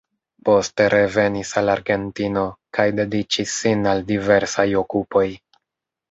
Poste revenis al Argentino, kaj dediĉis sin al diversaj okupoj.